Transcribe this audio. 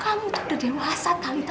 kamu sudah dewasa talitha